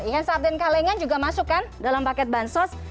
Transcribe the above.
ikan sarden kalengan juga masuk kan dalam paket bansos